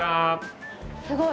すごい。